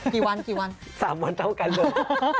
กี่วัน๓วันเท่ากันเลย